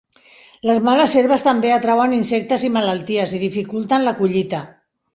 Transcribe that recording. Les males herbes també atrauen insectes i malalties, i dificulten la collita.